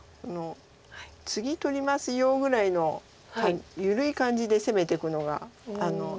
「次取りますよ」ぐらいの緩い感じで攻めていくのがいいんですよね。